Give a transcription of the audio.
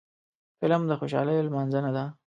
فلم د خوشحالیو لمانځنه ده